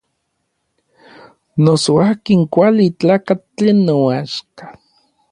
Noso akin kuali tlakatl tlen noaxka.